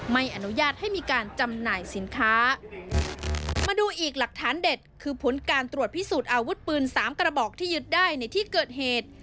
ไม่อนุญาตให้มีการจำหน่ายสินค้ามาดูอีกหลักฐานเด็ดคือผลการตรวจพิสูจน์อาวุธปืนสามกระบอกที่ยึดได้ในที่เกิดเหตุ